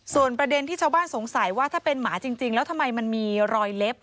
ส่วนประเด็นที่ชาวบ้านสงสัยว่าถ้าเป็นหมาจริงแล้วทำไมมันมีรอยเล็บ